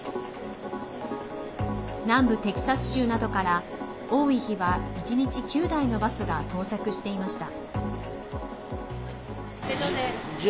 南部テキサス州などから多い日は１日９台のバスが到着していました。